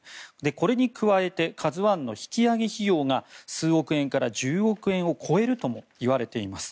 これに加えて「ＫＡＺＵ１」の引き揚げ費用が数億円から１０億円を超えるともいわれています。